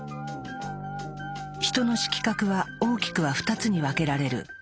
ヒトの色覚は大きくは２つに分けられる。